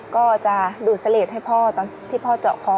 ก็จะดูดเสลดให้พ่อตอนที่พ่อเจาะคอ